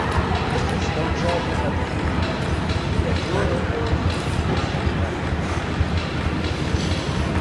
Брэстаўчане адкрылі лік і бадзёра правялі першы тайм.